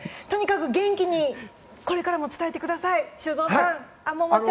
とにかく元気にこれからも伝えてください。